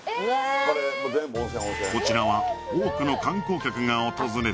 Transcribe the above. こちらは多くの観光客が訪れる